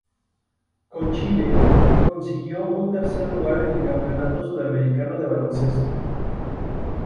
Con Chile consiguió un tercer lugar en el Campeonato Sudamericano de Baloncesto.